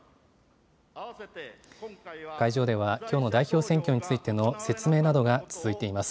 会場では、きょうの代表選挙についての説明などが続いています。